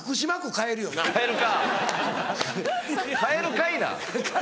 買えるかいな！